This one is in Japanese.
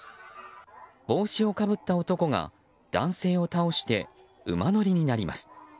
帽子をかぶった男が男性を倒して馬乗りになります。